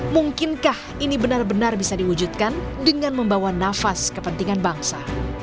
mungkinkah ini benar benar bisa diwujudkan dengan membawa nafas kepentingan bangsa